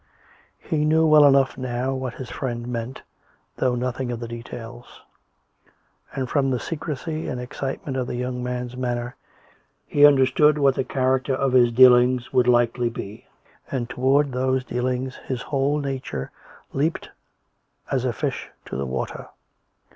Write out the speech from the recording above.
He knew well enough now what his friend meant, though nothing of the details ; and from the secrecy and excitement of the young man's manner he understood what the char acter of his dealings would likely be, and towards those dealings his whole nature leaped as a fish to the water.